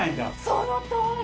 そのとおり！